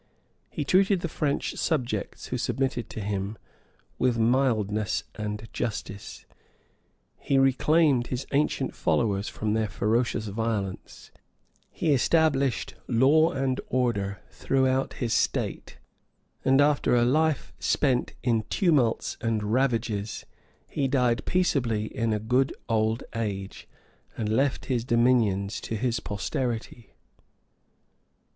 He treated the French subjects, who submitted to him, with mildness and justice; he reclaimed his ancient followers from their ferocious violence; he established law and order throughout his state; and after a life spent in tumults and ravages, he died peaceably in a good old age, and left his dominions to his posterity.